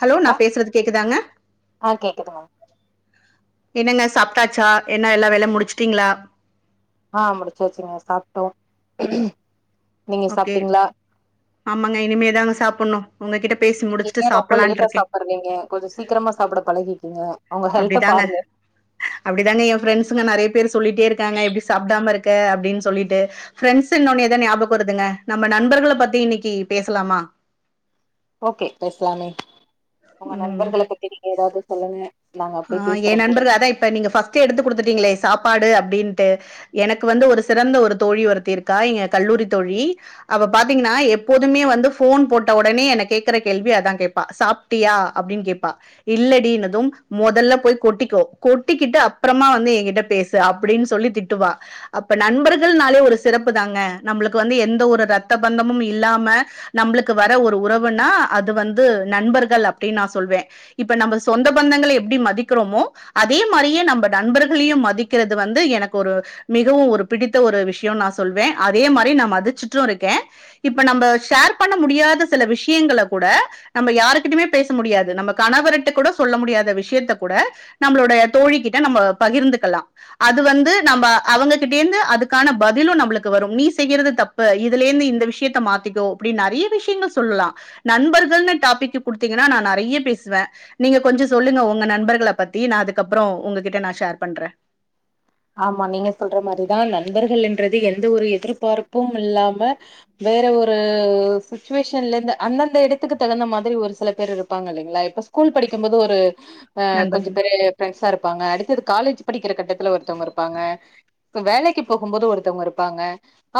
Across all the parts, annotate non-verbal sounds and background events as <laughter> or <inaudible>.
Hello நான் பேசுறது கேக்குதாங்க ஆ கேக்குதுங்க என்னங்க சாப்பிட்டாச்சா என்ன எல்லாம் வேல முடிச்சுட்டீங்களா ஆஹ் முடிச்சச்சுங்க சாப்பிட்டோம் ஓகே ஆமாங்க இனிமேதாங்க சாப்பிடணும் உங்ககிட்ட பேசி முடிச்சுட்டு நீங்க ரொம்ப சாப்பிடலான் லேட்டா இருக்கேன் சாப்பிடுவீங்க கொஞ்சம் சீக்கிரமா சாப்பிட பழகி ஏன் அப்டிதாங்க அப்டிதாங்க என் ஃரெண்ட்ஸுங்க நிறைய பேர் சொல்லிட்டே இருக்கங்க எப்படி சாப்பிடாம இருக்க அப்படின்னு சொல்லிட்டு பிரண்ட்ஸ்னொன்னு தான் ஞாபக வருதுங்க நம்ம நண்பர்கள பத்தி இன்னைக்கு பேசலாமா ஓகே பேசலாமே உங்க நண்பர்கள பத்தி ஏதாவது சொல்லுங்க நாங்க அப்டியே ஆஹ் பேசுறோ என் கூட நண்பருர்கள் அதான் இப்ப நீங்க ஃபர்ஸ்ட் எடுத்து குடுத்துட்டீங்களே சாப்பாடு அப்படின்ட்டு எனக்கு வந்து ஒரு சிறந்த ஒரு தோழி ஒருத்தி இருக்கா இங்க கல்லூரி தோழி அவ பாத்தீங்கன்னா எப்போதுமே வந்து போன் போட்ட உடனே என்ன கேடக்குற கேள்வி அததான் கேட்பா சாப்பிட்டியா அப்படியான்னு கேட்பா இல்லடினுதும் முதல்ல போய் கொட்டிக்கோ கொட்டிக்கிட்டு அப்புறமா வந்து எங்கிட்ட பேசு அப்படின்னு சொல்லி திட்டுவா அப்ப நண்பர்கள்னாலே ஒரு சிறப்பு தாங்க நம்மளுக்கு வந்து எந்த ஒரு ரத்த பந்தமும் இல்லாம நம்மளுக்கு வர ஒரு உறவுனா அது வந்து நண்பர்கள் அப்படின்னு நா சொல்வேன் இப்ப நம்ம சொந்த பந்தங்களை எப்டி மதிக்கிறமோ அதே மாதிரியே நம்ம நண்பர்களையும் மதிக்கிறது வந்து எனக்கு ஒரு மிகவும் ஒரு பிடித்த ஒரு விஷயம் நான் சொல்வேன் அதே மாதிரி நான் மதிச்சுட்டும் இருக்கேன் இப்ப நம்ம ஷேர் பண்ண முடியாத சில விஷயங்களை கூட நம்ம யாருகிட்டுமே பேச முடியாது நம்ம கணவர்ட்ட கூட சொல்ல முடியாத விஷய விசயத்தக்கூட நம்மளோட தோழி கிட்ட நம்ம பகிர்ந்துக்கலாம் அது வந்து நம்ம அவங்ககிட்ட இருந்து அதுக்கான பதிலும் நம்மளுக்கு வரும் நீ செய்யிரது தப்பு இதுல இருந்து இந்த விஷயத்த மாத்திக்கோப்ப நிறைய விஷயங்கள் சொல்லலாம் நண்பர்கள்னு டாப்பிக் கொடுத்திங்கன்னா நான் நிறைய பேசுவேன் நீங்க கொஞ்சம் சொல்லுங்கப்பா உங்க நண்பர்கள பத்தி நான் அதுக்கப்புறம் உங்ககிட்ட நான் ஷேர் பண்றேன் ஆமா நீங்க சொல்ற மாதிரிதான் நண்பர்கள்ன்றது எந்த ஒரு எதிர்பார்ப்பும் இல்லாம வேற ஒரு சுச்சுவேஷன்ல இருந்து அந்தந்த இடத்துக்கு தகுந்த மாதிரி ஒரு சில பேர் இருப்பாங்க இல்லலைங்களா இப்ப ஸ்கூல் படிக்கும் போது ஒரு ஆஹ கொஞ்ச நண்பர்கள். பெரிய பிரெண்ட்ஸா இருப்பாங்க அடுத்த காலேஜ் படிக்கிற கட்டத்துல ஒரு வேலைக்கு போகும் போது ஒருத்தங்க இருப்பாங்க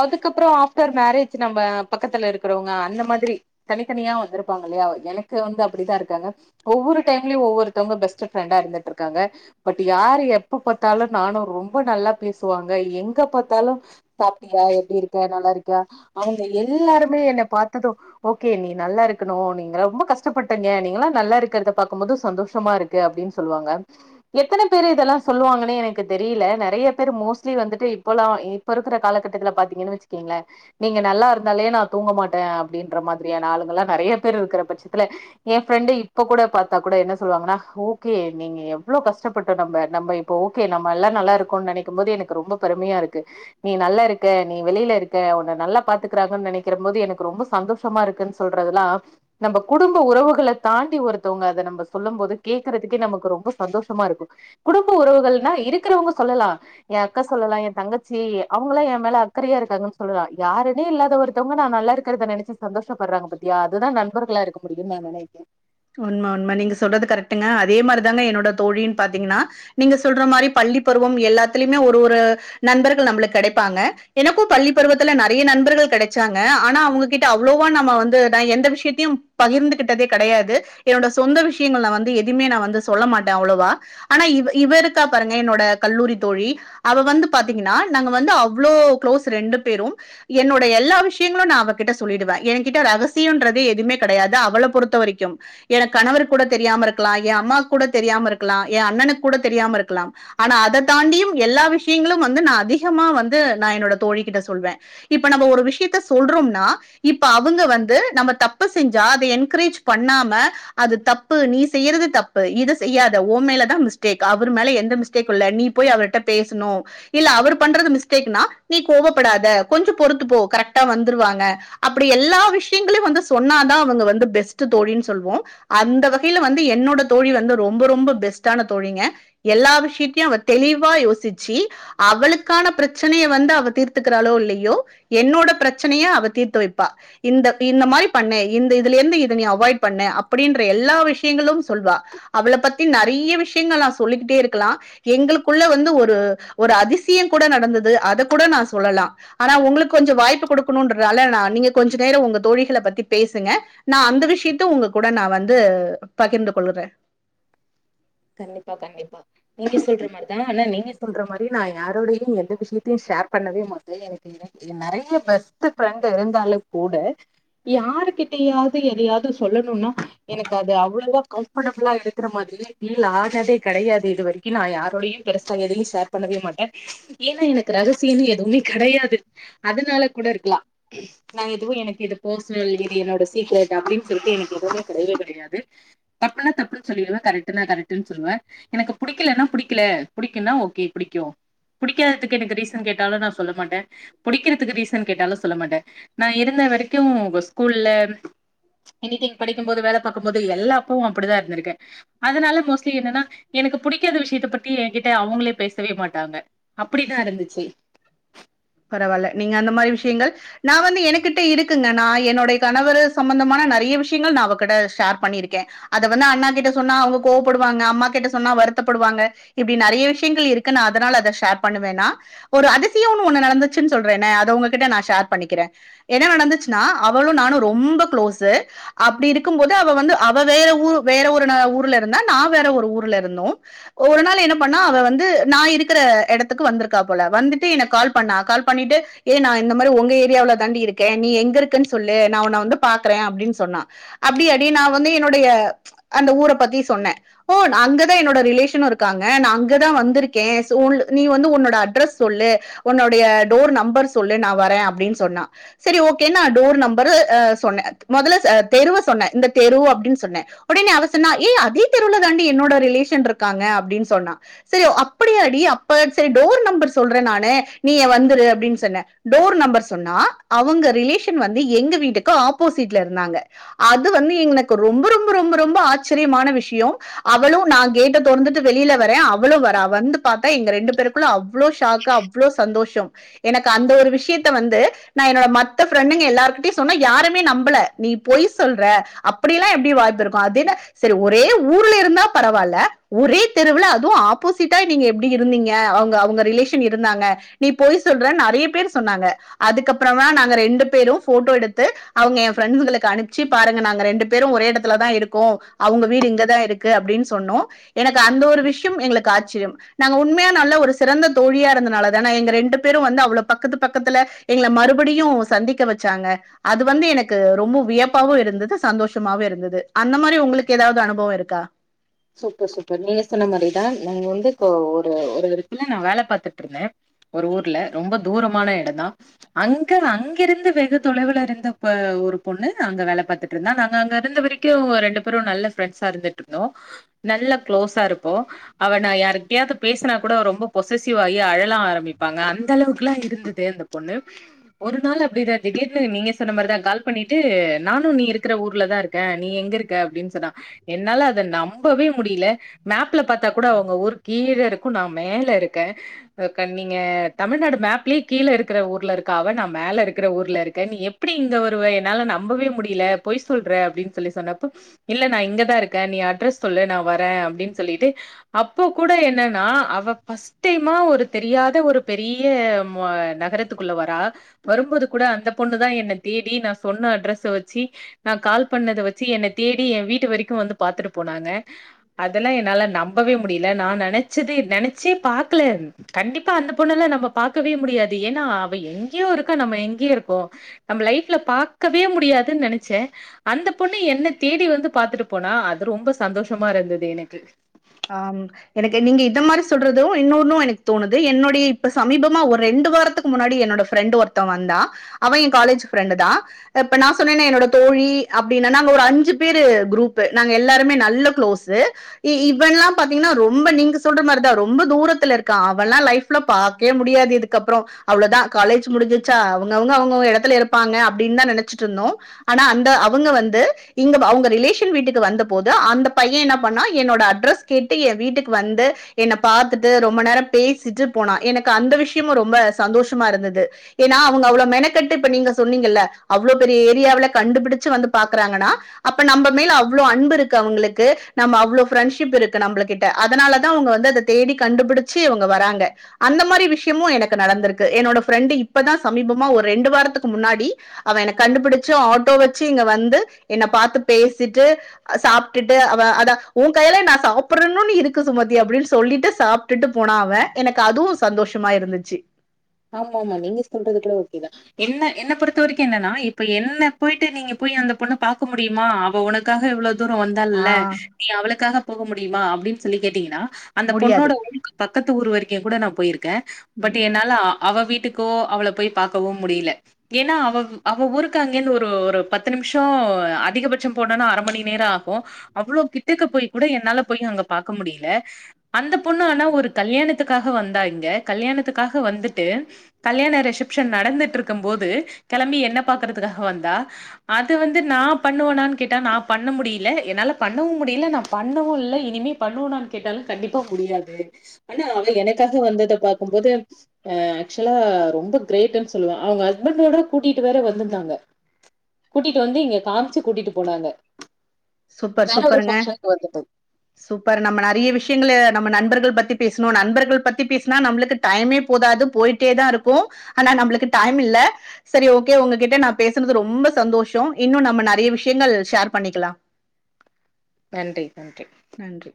அதுக்கறம் ஆப்டர் மேரேஜ் நம்ம பக்கத்துல இருக்கிறவங்க அந்த மாதிரி தனித்தனியா இருப்பாங்க இல்லையா எனக்கு வந்து அப்படித்தான் இருக்காங்க ஒவ்வொரு டைம் ஒருத்தங்க பெஸ்ட் பிரண்ட் அ இருந்துட்டு இருக்காங்க பட் யாரு எப்ப பார்த்தாலும் நானும் ரொம்ப நல்ல பேசுவாங்க எங்க பார்த்தாலும் சாப்பிட்டியா எப்படி இருக்க நல்லா இருக்கியா அவங்க எல்லாருமே என்னை பார்த்ததும் ஓகே நீ நல்லா இருக்கணும் நீங்க ரொம்ப கஷ்டப்பட்டிங்க நீங்கல்லாம் நல்லா இருக்கிறத பார்க்கும் போது சந்தோஷமா இருக்கு அப்படின்னு சொல்லுவாங்க எத்தனை பேரு இதெல்லாம் சொல்லுவாங்கன்னு எனக்கு எனக்கு தெரியல நிறைய பேரு மொஸ்டலி வந்துட்டு இவளா இப்ப இருக்குற காலக்கட்டத்துல பார்த்து வச்சுக்கோங்களேன் நீங்க நல்லா இருந்தாலே நான் தூங்கமாட்டேன் அப்டின்ற மாதிரியானா ஆளுங்களாம் நிறைய பேரு இருக்குறப்ப இல்ல என் பிரண்ட் இப்போ கூட பார்த்த கூட என்னா சொல்லுவாங்கன்னா ஓகே நீங்க எவ்ளோ நம்ம கஷ்டம் பட்டோம் இப்போ நம்ம ஓகே நம்ம எல்லாம் நல்லா இருக்கோம்னு நினைக்கும் போது எனக்கு ரொம்ப பெருமையா இருக்கு நீ நல்லா இருக்க நீ வெளியில இருக்க உன்ன நல்லா பாத்துக்கிறாங்கன்னு நினைக்கிற போது எனக்கு ரொம்ப சந்தோஷமா இருக்குன்னு சொல்றதுெல்லாம் நம்ம குடும்ப உறவுகளை தாண்டி ஒருத்தவங்க அதை நம்ம சொல்லும் போது கேக்குறதுக்கே நமக்கு ரொம்ப சந்தோஷமா இருக்கும் குடும்ப உறவுகள் ஆ இருக்கிறவங்க சொல்லலாம் என் அக்கா சொல்லலாம் என் தங்கச்சி அவங்களாம் என் மேல அக்கறையா இருக்காங்கன்னுல்லலாம் யாருன்னே இல்லாத ஒருத்தவங்க நான் நல்லா இருக்கதை நினைச்சு சந்தோஷப்படுறாங்க பாத்தியா அதுதான் நண்பர்களா இருக்க முடியும்னு நான் நினைக்றேன் உண்மை உண்மை நீங்க சொல்றது கரெக்ட்டுங்க அதே மாதிரிதாங்க என்னோட தோழின்னு பாத்தீங்கன்னா நீங்க சொல்ற மாதிரி பள்ளி பருவம் எல்லாத்தலயுமே ஒரு ஒரு நண்பர்கள் நம்ம கிடைப்பாங்க எனக்கும் பள்ளி பருவத்துல நிறைய நண்பர்கள் கிடைச்சாங்க ஆனா அவங்ககிட்ட அவ்வளோவா நம்ம வந்து எந்த விஷயத்தையும் பகிர்ந்துகிட்டதே கிடையாது என்னோட சொந்த விஷயங்கள்ல வந்து எதுவுமே நான் வந்து சொல்லமாட்டேன் அவ்வளவா ஆனா இவ இவ இருக்கா பாருங்க என்னோட கல்லூரி தோழி அவ வந்து பாத்தீங்கன்னா நாங்க வந்து அவ்வளோ க்ளோஸ் ரெண்டு பேரும் என்னோட எல்லா விஷயங்களும் நான் அவகிட்ட சொல்லிடுவேன் என் கிட்ட ரகசியம்ன்றது எதுவுமே கிடையாது அவளை பொறுத்த வரைக்கும் எனக்கு கணவரு கூட தெரியாம இருக்கலாம் என் அம்மாக்கு கூட தெரியாம இருக்கலாம் என் அண்ணனுக்கு கூட தெரியாம இருக்கலாம் ஆனா அத தாண்டியும் எல்லா விஷயங்களும் வந்து நான் அதிகமா வந்து நான் என்னோட தோழ கிட்ட சொல்வேன் இப்ப நம்ம ஒரு விஷயத்த சொல்றோம்னா இப்ப அவங்க வந்து நம்ம தப்ப செஞ்சா அத என்கரேஜ் பண்ணாம அது தப்பு நீ செய்யறது தப்பு இத செய்யாத உன் மேலதான் மிஸ்டேக் அவர் மேல மிஸ்டேக் இல்ல நீ போய் அவர்ட பேசுனும் இல்ல அவர் பண்றது தப்புனா நீ கோவப்படாத கொஞ்சம் பொறுத்துபோ கரெக்ட் அ வந்துருவாங்க அப்டி எல்லா விஷயங்களையும் வந்து சொன்னா தான் அவங்க வந்து பிரண்ட்ஸ் தோழி சொல்வோம் அந்த வகையில்ல வந்து என்னோட தோழி வந்து ரொம்ப ரொம்ப பெஸ்ட் ஆனா தோழிங்க எல்லா விசியத்தையும் தெளிவா யோசிச்சு அவளுக்கான பிரச்சனைய வந்து தீர்த்துக்கிறாளோ இல்லையோ என்னோட பிரச்சனைய அவ தீர்த்து வைப்பா இந்த இந்த மாதிரி பண்ணு இந்த இதுலருந்து அவாய்ட் பண்னு அப்படின்ற எல்லா விஷயங்களும் சொல்வா அவளை பத்தி நிறைய விஷயங்கள் நான் சொல்லிக்கிட்டே இருக்க க்கலாம் எங்களுக்குள்ள வந்து ஒரு ஒரு அதிசயம் கூட நடந்தது அத கூட நா சொல்லா ஆனா ஒங்களுக்கு கொஞ்சோ வாய்ப்பு கொடுக்கணுன்றால நீங்க கொஞ்ச நேரோ உங்க தோழிகள பத்தி பேசுங்க நா அந்த விஷயத்த உங்க கூட நா வந்து பகிர்ந்து கொள்ளுறே கண்டிப்பா கண்டிப்பா நீங்க சொல்ற மாரிதா ஆனா நீங்க சொல்ற மாரி நா யாரோடயு எந்த விஷயத்தையு ஷேர் பண்ணவே மாட்டே எனக்கு என் நெறய பெஸ்ட்டு ஃப்ரெண்டு இருந்தாலு கூட யா கிட்டயாவது எதயாவது சொல்லணும்னா எனக்கு அது அவ்வளோவா கம்ஃபட்டபுளா இருக்குற மாதிரி இல்ல ஆகாதே கெடயாது இது வரைக்கு நா யாரோடயு பெருசாக எதயு ஷேர் பண்ணவே மாட்டே ஏன்னா எனக்கு ரகசியன்னு எதுவுமே கெடயாது அதனால கூட இருக்கலா நா எதுவு எனக்கு இது பர்சனல் இது என்னோட சீக்கரெட் அப்டின்னு சொல்லிட்டு எனக்கு எதுவுமே கெடயவே கெடயாது தப்புனா தப்புன்னு சொல்லிடுவே கரெக்ட் கரெக்ட்டுனு சொல்லுவே எனக்கு பிடிக்கலன்னா பிடிக்கல பிடிக்குன்னா ஓகே பிடிக்கு பிடிக்காதுக்கு எனக்கு ரீசன் கேட்டாலு நா சொல்ல மாட்டே புடிக்குறதுக்கு ரீசன் கேட்டாலு சொல்ல மாட்டே நா இருந்த வரைக்கு ஸ்கூல்ல எடிட்டிங் படிக்கு போது வேல பாக்கும்போது எல்லாப் அப்டிதா இருந்துருக்கே அதனால மோஸ்ட்லி என்னன்னா எனக்கு புடிக்காத விஷயத்த பத்தி எ கிட்ட அவுங்களே பேசவே மாட்டாங்க அப்டித்தா இருந்துச்சு பரவாயில்ல நீங்க அந்த மாரி விஷயங்கள் நா வந்து என கிட்ட இருக்குங்க நா என்னுடைய கணவரு சம்பந்தமான நெறய விஷயங்கள் நா அவகிட்ட ஷேர் பண்ணிருக்கே அத வந்து அண்ணா கிட்ட சொன்னா அவுங்க கோவப்படுவாங்க அம்மா கிட்ட சொன்னா வருத்தப்படுவாங்க இப்டி நெறய விஷயங்கள் இருக்கு நா அதனால அத ஷேர் பண்ணுவேன்னா ஒரு அதிசய <inaudible> ஒன்னு நடந்துச்சுன்னு சொல்றேனே அத உங்ககிட்ட சேர் பண்ணிக்குறே என்ன நடந்துச்சுனா அவளு நானு ரொம்ப குளோஸு அப்டி இருக்கும் போது அவ வந்து அவ வேற ஊரு வேற ஊர்ல இருந்தா நா வேற ஊர்ல இருந்தோ ஒரு நாள் என்ன பண்ணா அவ வந்து நா இருக்ற எடத்துக்கு வந்துருக்கா போல வந்துட்டு எனக்கு கால் கால் பண்ணா கால்பண்ணிட்டு ஏ நா இந்த மாதிரி உங்க ஏரியாவவுல தாண்டி இருக்கேன் நீ எங்க இருக்கேனு சொல்லு நா உன்ன வந்து பாக்குறே அப்டின்னு சொன்னா அப்யாடி நா வந்து என்னோடைய அந்த ஊர பத்தி சொன்னே ஓ அங்கதா என்னோட ரிலேஷனு இருக்காங்க நா அங்கதா வந்திருக்கே நீ வந்து உன்னோட அட்ரஸ் சொல்லு ஒன்னுடைய டோர் நம்பர் சொல்லு நா வரே அப்டின்னு சொன்னா சரி ஓகே நா டோர் நம்பரு சொன்னே மொதல தெருவ சொன்னே இந்த தெருவு அப்டின்னு சொன்னே ஒடனே அவ சொன்னா ஏ அதே தெருவுல தாண்டி என்னோட ரிலேஷன் இருக்காங்க அப்டின்னு சொன்னா சரி அப்டியாடி அப்ப சரி டோர் நம்பர் சொல்றே நானு நீ வந்துரு அப்டின்னு சொன்ன டோர் நம்பர் சொன்னா அவுங்க ரிலேஷன் வந்து எங்க வீட்டுக்கு ஆப்போசிட்ல இருந்தாங்க அது வந்து எனக்கு ரொம்ப ரொம்ப ரொம்ப ரொம்ப ஆச்சரியமான விஷயோ அவளு நா கேட்ட தொரந்துட்டு வெளியில வரே அவளு வராவந்து பார்த்தா எங்க ரெண்டு பேருக்குள்ள அவ் அவ்ளோ சாக்கு அவ்ளோ சந் எனக்கு அந்த ஒரு விஷயத்த வந்து நா என்னோட மத்த ஃப்ரெண்டுங்க எல்லாருகிட்டயு சொன்னா யாருமே நம்பல நீ பொய் சொல்ற அப்டி எல்லா எப்டி வாய்ப்பு இருக்கு அதென்ன சரி ஒரே ஊர்ல இருந்தா பரவால்ல ஒரே தெருவுல அதுவு ஆப்போசிட்டா நீங்க எப்டி இருந்தீங்க அவுங்க அவுங்க ரிலேஷன் இருந்தாங்க நீ பொய் சொல்ற நெறய பேர் சொன்னாங்க அதுக்கப்றோதா நாங்க ரெண்டு பேரு போட்டோ எடுத்து அவுங்க எ ஃரெண்ட்ஸுகளுக்கு அனுப்பச்சு பாருங்க நாங்க ரெண்டு பேரு ஒரே இடத்துல தா இருக்கோ அவுங்க வீடு இங்கதா இருக்கு அப்டின்னு சொன்னோ எனக்கு அந்த ஒரு விஷயம் எங்களுக்கு ஆச்சரியம் நாங்க உண்மையா நல்ல ஒரு சிறந்த தோழியா இருந்தனால ஆனா எங்க ரெண்டு பேரு வந்து அவ்ளோ பக்கத்து பக்கத்துல எங்கள மறுபடியு சந்திக்க வச்சாங்க அது வந்து எனக்கு ரொம்ப வியப்பாவு இருந்தது சந்தோஷமாவு இருந்தது அந்த மாதிரி உங்களுக்கு ஏதாவது அனுபவ இருக்கா சூப்பர் சூப்பர் நீங்க சொன்ன மாதிரிதா நாங்க வந்து இப்ப ஒரு ஒரு எடத்ல நா வேல பாத்துட்டு இருந்தே ஒரு ஊர்ல ரொம்ப தூரமான இடந்தா அங்க அங்க இருந்து வெகு தொலைவுல இருந்த இப்ப ஒரு பொண்ணு அங்க வேல பாத்துட்டு இருந்தா நாங்க அங்க இருந்த வரைக்கு ரெண்டு பேரு நல்ல ஃப்ரெண்ட்ஸா இருந்துட்டு இருந்தோ நல்ல கு்ளோஸா இருப்போ அவ நா யாருக்கிட்டயாவது பேசினா கூட ரொம்ப பொசசிவ் ஆகி அழல ஆரம்பிப்பாங்க அந்த அளவுக்கெல்லா இருந்தது அந்த பொண்ணு ஒரு நாள் அப்டிதா திடீர்னு நீங்க சொன்ன மாரிதா கால் பண்ணிட்டு நானு நீ இருக்குற ஊர்ல தா இருக்கே நீ எங்க இருக்க அப்பனடின்னு சொன்னா என்னால அத நம் நம்பவே முடியல மேப்ல பாத்தா கூட உங்க ஊர் கீழ இருக்கு நா மேல இருக்கே நீங்க தமிழ்நாடு மேப்லயே கீழ இருக்குற ஊர்ல இருக்க அவ நா மேல இருக்குற ஊர்ல இருக்கே நீ எப்டி இங்க வருவ என்னால நம்பவே முடியல பொய் சொல்ற அப்டின்னு சொல்லி சொன்னப்ப இல்ல நா இங்கதா இருக்கே நீ அட்ரஸ் சொல்லு ந வரே அப்டின்னு சொல்லிட்டு அப்போ கூட என்னன்னா அவ ஃபஸ்ட் டைமா ஒரு தெரியாத ஒரு பெரிய நகரத்துக்குள்ள வரா வரும்போது கூட அந்த பொண்ணுதா என்ன தேடி நா சொன்ன அட்ரஸ் வச்சு நா கால் பண்ணத வச்சு என்ன தேடி எ வீட்டு வரைக்கு வந்து பாத்துட்டு அதெல்லா என்னால நம்பவே முடியல நா நெனச்சது நெனச்சே பாக்ல கண்டிப்பா அந்த பொண்ண எல்லா நம்ம பாக்கவே முடியாது ஏன்னா அவ எங்கேயோ இருக்கா நம்ம எங்கே இருக்கோ நம்ம லைப்ல பாக்கவே முடியாதுன்னு நெனச்சே அந்த பொண்ணுமே என்ன தேடி வந்து பாத்துட்டு போனா அது ரொம்ப சந்தோஷமா இருந்தது எனக்கு ஆ எனக்கு நீங்க இந்த மாதிரி சொல்றது இன்னொன்னு எனக்கு தோணுது என்னுடைய இப்ப சமீபமா ஒரு ரெண்டு வாரத்துக்கு முன்னாடி என்னோட ஃரெண்டு ஒருத்த வந்தான் அவ எ காலேஜ் ஃப்ரெண்டு தா இப்ப நா சொன்னேனே என்னோட தோழி அப்டின்னா நாங்க ஒரு அஞ்சு பேரு குரூபு நாங்க எல்லாருமே நல்ல குளோஸு இவல்லாம் பாத்தீங்கனா ரொம்ப நீங்க சொல்ற மாரி தா ரொம்ப தூரத்ல இருக்கா அவல்லா லைஃப்ல பாக்கவே முடியாது இதுக்கு அப்றோ அவ்ளதா காலேஜ் முடிஞ்சுச்சா அவங்கவுங்க அவுங்க எடத்துல இருப்பாங்க அப்டின்னு தா நெனச்சுட்டு இருந்தோ ஆனா அந்த அவுங்க வந்து இங்க அவுங்க ரிலேஷன் வீட்டுக்கு வந்த போது அந்த பையன் என்ன பண்ணா என்னோட அட்ரஸ் கேட்டு என் வீட்டுக்கு வந்து என்ன பாத்தட்டு ரொம்ப நேரோ பேசிட்டு போனா எனக்கு அந்த விஷயமும் ரொம்ப சந்தோஷமா இருந்தது ஏன்னா அவுங்க அவ்ளோ மெனக்கட்டு இப்ப நீங்க சொன்னீங்கல்ல அவ்ளோ பெரிய ஏரியாவுல கண்டுபிடிச்சு வந்து பாக்குறாங்கனா அப்ப நம்ம மேல அவ்ளோ அன்பு இருக்கு அவூங்களுக்கு நம்ம அவளோ ஃபிரண்ட இருக்கு நம்ளுகிட்ட அதனாலதா அவுங்க வந்து அத தேடி கண்டுபிடிச்சு அவுங்க வராங்க அந்த மாரி விஷயமு எனக்கு நடந்திருக்கு என்னோட பிரண்டு இப்பதா சமீபமா ஒரு ரெண்டு வாரத்துக்கு முன்னாடி அவ கண்டுபிடிச்சூ ஆட்டோ வச்சு இங்க வந்து என்ன பாத்து பேசிட்டு சாப்டுட்டு அத அவ கையில நா சாப்டுன்னு இருக்கு சுமதி அப்டின்னு சொல்லிட்டு சாப்டுட்டு போன அவே எனக்கு அதுவு சந்தோஷமா இருந்துச்சு ஆமா ஆமா நீங்க சொல்றதுக்குள்ள ஓ என்ன என்ன பொறுத்த வரைக்கு என்னன்னா இப்ப என்ன போயிட்டு நீங்க போய் அந்த பொண்ணு பாக்க முடியுமா அவ உனக்காக எவ்வளவு தூரோ வந்தால்ல ஆஹ் நீ அவளுக்காக போக முடியுமா அப்டின்னு சொல்லி கேட்டீங்கனா அந்த முடியாது பொண்ணோட ஊருக்கு பக்கத் ஊர் வரைக்கு கூட நா போயிருக்கே பட் என்னால அவ வீட்டுக்கோ அவள போய் பாக்கவும் முடியல ஏன்னா அவ அவ ஊருக்கு அங்கயிருந்து ஒரு பத்து நிமிஷோ அதிகபட்சம் போனோனா அர மணி நேரோ ஆகு அவ்ளோ கிட்டக்க போய் கூட என்னால போய் அங்க பாக்க முடியல அந்த பொண்ணு ஆனா ஒரு கல்யாணத்துக்காக வந்தாங்க கல்யாணத்துக்காக வந்துட்டு கல்யாண ரிசப்ஷன் நடந்துட்ருக்கும் போது கெளம்பி என்ன பாக்குறதுக்காக வந்தா அது வந்து நா பண்ணுவனான்னு கேட்டா நா பண்ண முடியல என்னால பண்ணவும் முடியல நா பண்ணவு இல்ல இனிமே பண்ணுவனான்னு கேட்டாலு கண்டிப்பா முடியாது ஆனா அவ எனக்காக வந்தத பாக்கும்போது அ ஆக்சுவலா ரொம்ப கிரேடுன்னு சொல்லுவே அவுங்க ஹஸ்பண்டோட கூட்டிட்டு வேற வந்திருந்தாங்க கூட்டிட்டு வந்து இங்க காமிச்சி கூட்டிட்டு போனாங்க சூப்பர் வேற ஒரு சூப்பருங்க ஃபங்க்ஷனுக்கு வந்துட்டோ சூப்பர் நம்ம நெறய விஷயங்கள நம்ம நண்பர்கள் பத்தி பேசுனோ நண்பர்கள் பத்தி பேசுனா நம்மளுக்கு டைமே போதாது போயிட்டே தா இருக்கு ஆனா நம்மளுக்கு டைம் இல்ல சரி ஓகே உங்ககிட்ட நா பேசுனது ரொம்ப சந்தோஷோ இன்னு நம்ம நெறய விஷயங்கள் ஷேர் பண்ணிக்கலா நன்றி நன்றி நன்றி